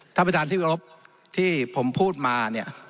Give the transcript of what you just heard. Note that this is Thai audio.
ท่านบาททุกครบที่ผมพูดมา